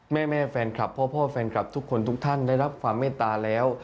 แม่แฟนคลับพ่อแฟนคลับทุกคนทุกท่านได้รับความเมตตาแล้ว